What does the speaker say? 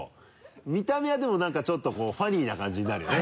見た目はでも何かちょっとこうファニーな感じになるよね